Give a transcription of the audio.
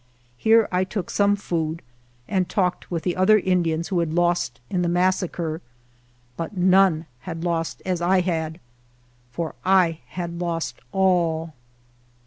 Here I took some food and talked with the other Indians who had lost in the massacre, but none had lost as I had, for I had lost all.